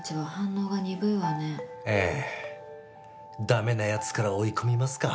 ダメな奴から追い込みますか。